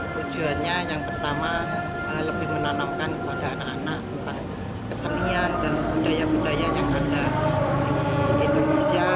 tujuannya yang pertama lebih menanamkan kepada anak anak kesenian dan budaya budaya yang ada di indonesia